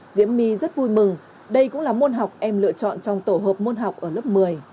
diễm my rất vui mừng đây cũng là môn học em lựa chọn trong tổ hợp môn học ở lớp một mươi